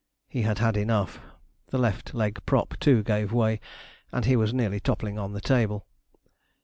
He had had enough. The left leg prop, too, gave way, and he was nearly toppling on the table.